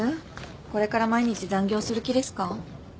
これから毎日残業する気ですか？